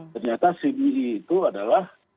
ternyata cbe itu adalah